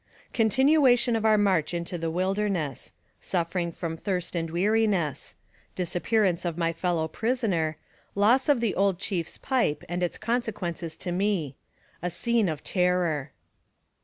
CONTINUATION OF OUR MARCH INTO THE WILDERNESS SUFFERING FROM THIRST AND WEARINESS DISAPPEARANCE OF MY FELLOW PRISONER LOSS OF THE OLD CHIEFS PIPE AND ITS CONSEQUENCES TO ME A SCENE OF TERROR.